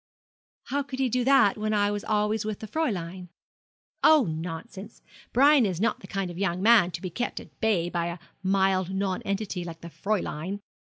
'How could he do that when I was always with the Fräulein?' 'Oh, nonsense. Brian is not the kind of young man to be kept at bay by a mild nonentity like the Fräulein.